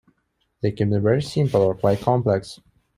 They can be very simple or quite complex.